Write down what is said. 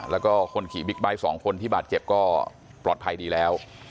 แล้วก็คนขี่บิ๊กไบท์๒คนที่บาดเจ็บก็ปลอดภัยดีแล้ว